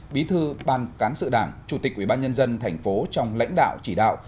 bí thư ban cán sự đảng chủ tịch ủy ban nhân dân tp trong lãnh đạo chỉ đạo